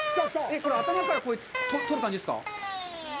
これ、頭から取る感じですか？